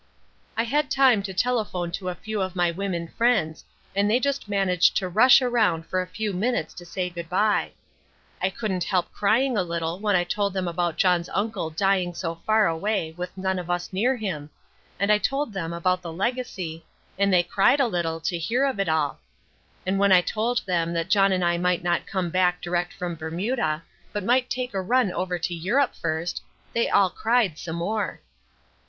I had time to telephone to a few of my women friends, and they just managed to rush round for a few minutes to say good bye. I couldn't help crying a little when I told them about John's uncle dying so far away with none of us near him, and I told them about the legacy, and they cried a little to hear of it all; and when I told them that John and I might not come back direct from Bermuda, but might take a run over to Europe first, they all cried some more.